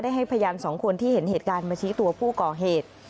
ให้พยานสองคนที่เห็นเหตุการณ์มาชี้ตัวผู้ก่อเหตุ